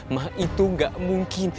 ma itu gak mungkin